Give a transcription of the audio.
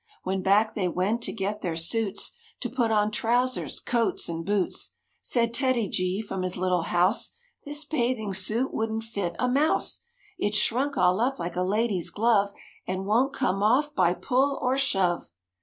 When back they went to get their suits, To put on trousers, coats and boots, Said TEDDY G from his little house, "This bathing suit wouldn't fit a mouse; It's shrunk all up like a lady's glove And won't come off by pull or shove."